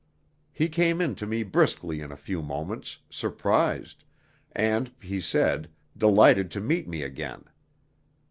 He came in to me briskly in a few moments, surprised, and, he said, delighted to meet me again.